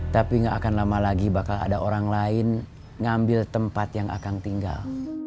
tapi gak akan lama lagi bakal ada orang lain ngambil tempat yang akang tinggal